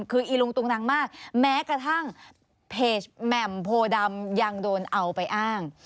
คืออีลุงตุงนังมากแม้กระทั่งเพจแหม่มโพดำยังโดนเอาไปอ้าง